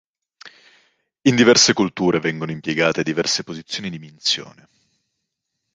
In diverse culture vengono impiegate diverse posizioni di minzione.